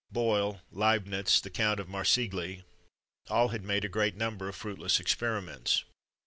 Boyle, Leibnitz, the Count of Marsigli all had made a great number of fruitless experiments.